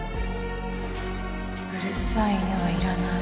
うるさい犬はいらない